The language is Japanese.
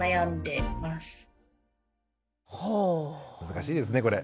難しいですねこれ。